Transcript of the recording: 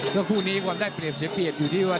คู่นี้ความได้เปรียบเสียเปรียบอยู่ที่ว่า